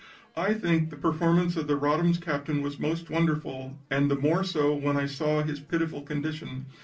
"I think the performance of the Roddam's captain was most wonderful, and the more so when I saw his pitiful condition.